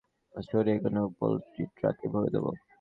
তোমার কি মনে হয়, তোমার মাল সরিয়ে কোনো পোল্ট্রি ট্রাকে ভরে দেবো?